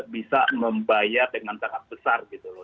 bisa membayar dengan sangat besar gitu loh